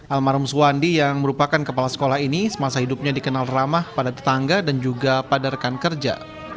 almarhum suwandi yang merupakan kepala sekolah ini semasa hidupnya dikenal ramah pada tetangga dan juga pada rekan kerja